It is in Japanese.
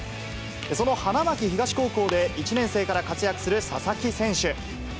その花巻東高校で、１年生から活躍する佐々木選手。